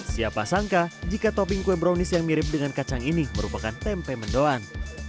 siapa sangka jika topping kue brownies yang mirip dengan kacang ini merupakan tempe mendoan